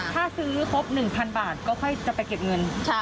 ถ้าซื้อครบหนึ่งพันบาทก็ค่อยจะไปเก็บเงินใช่